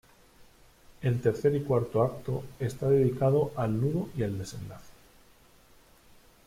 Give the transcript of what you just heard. El tercer y cuarto acto está dedicado al nudo y al desenlace.